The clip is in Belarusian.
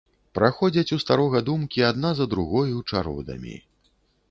Праходзяць у старога думкі адна за другою чародамі.